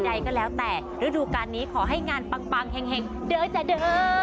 ใดก็แล้วแต่ฤดูการนี้ขอให้งานปังแห่งเด้อจะเด้อ